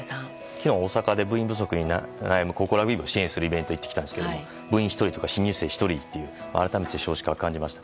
昨日、大阪で部員不足に悩む高校ラグビー部を支援するイベントに参加してきたんですが部員１人とか新入生が１人とか改めて少子化を感じました。